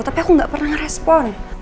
tapi aku gak pernah ngerespon